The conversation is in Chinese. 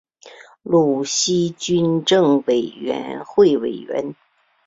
鲁西军政委员会委员。